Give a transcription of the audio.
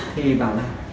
thì bảo là